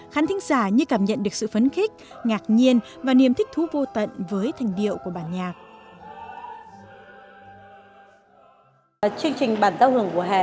khán thính giả như cảm nhận được sự phấn khích ngạc nhiên và niềm thích thú vô tận với thành điệu của bản nhạc